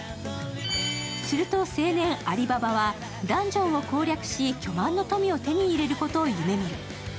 すると青年・アリババはダンジョンを攻略し巨万の富を手に入れることを夢見る。